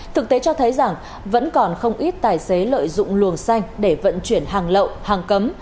thực tế cho thấy rằng vẫn còn không ít tài xế lợi dụng luồng xanh để vận chuyển hàng lậu hàng cấm